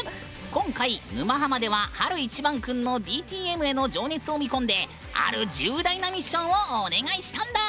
今回「沼ハマ」では晴いちばん君のＤＴＭへの情熱を見込んである重大なミッションをお願いしたんだ。